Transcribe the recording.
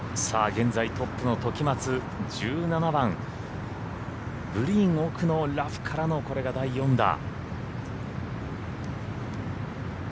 現在トップの時松、１７番グリーン奥のラフからのこれが第４打。